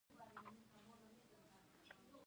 فعالان دي عملي کار پیل کړي.